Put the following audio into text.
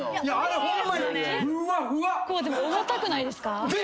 でも重たくないですか？